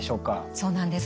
そうなんです。